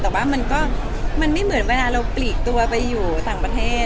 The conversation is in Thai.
แต่ว่ามันก็มันไม่เหมือนเวลาเราปลีกตัวไปอยู่ต่างประเทศ